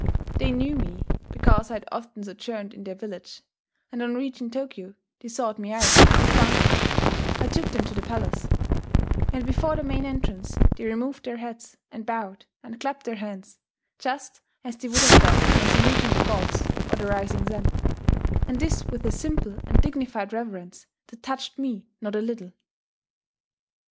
They knew me, because I had often sojourned in their village; and on reaching Tokyo they sought me out, and found me, I took them to the palace; and before the main entrance they removed their hats, and bowed, and clapped their hands, just as they would have done when saluting the gods or the rising sun, and this with a simple and dignified reverence that touched me not a little.